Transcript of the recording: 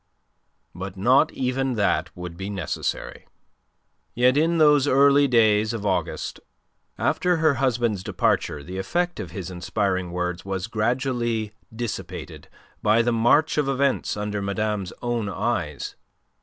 But not even that would be necessary. Yet in those early days of August, after her husband's departure the effect of his inspiring words was gradually dissipated by the march of events under madame's own eyes.